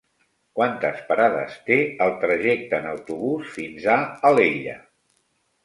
Quantes parades té el trajecte en autobús fins a Alella?